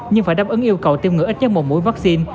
nhưng phải đáp ứng yêu cầu tiêm ngừa ít nhất một mũi vaccine